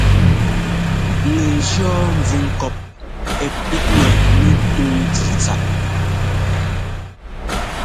Nɛ jíɔ́ nvukɔp ɛ píkŋɛ nɛ túŋ tsɛ̂tsáʼ.